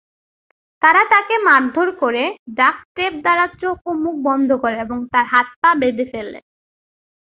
তারা তাকে মারধর করে, ডাক্ট-টেপ দ্বারা চোখ ও মুখ বন্ধ করে এবং তার হাতে বেঁধে ফেলে।